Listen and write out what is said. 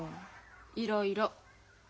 いろいろ。